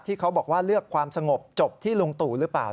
เขาบอกว่าเลือกความสงบจบที่ลุงตู่หรือเปล่า